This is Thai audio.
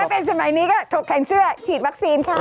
ถ้าเป็นสมัยนี้ค่ะถูกแข่งเสื้อถีดวัคซีนครับ